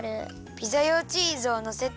ピザ用チーズをのせて。